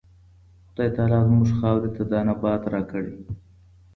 خدای تعالی زموږ خاورې ته دا نبات راکړی.